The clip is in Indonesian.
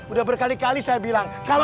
udah berkali kali saya bilang